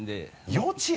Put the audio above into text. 幼稚園？